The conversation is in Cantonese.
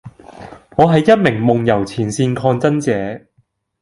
我係一名夢遊前線抗爭者